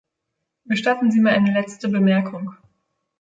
Gestatten Sie mir eine letzte Bemerkung.